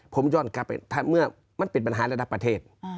ผมย้อนกลับไปเมื่อมันเป็นปัญหาระดับประเทศ